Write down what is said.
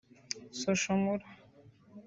Social Mura